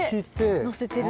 のせてる。